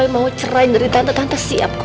kalau memang om roy mau cerai dari tante tante siap kok